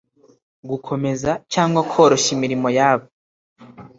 gukomeza cyangwa koroshya imirimo yaba